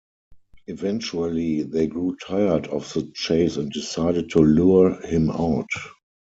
Eventually they grew tired of the chase and decided to lure him out.